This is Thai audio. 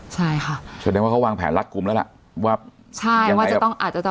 ใช่ค่ะแสดงว่าเขาวางแผนรัดกลุ่มแล้วล่ะว่าใช่ว่าจะต้องอาจจะต้อง